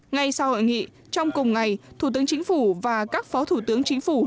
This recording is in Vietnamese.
ngay sau hội nghị trong cùng ngày thủ tướng chính phủ và các phó thủ tướng chính phủ